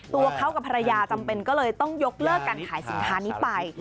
ตัวเขากับภรรยาจำเป็นก็เลยต้องยกเลิกการขายสินค้านี้ไป